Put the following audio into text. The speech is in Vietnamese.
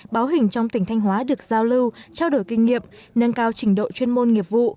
báo hình trong tỉnh thanh hóa được giao lưu trao đổi kinh nghiệm nâng cao trình độ chuyên môn nghiệp vụ